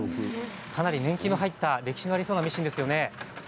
かなり年季の入った歴史のありそうなミシンですよね。